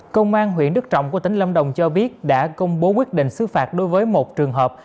công an huyện đức trọng của tỉnh lâm đồng cho biết đã công bố quyết định xứ phạt đối với một trường hợp